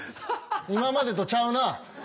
今までとちゃうな。